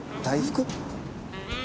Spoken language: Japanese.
大福？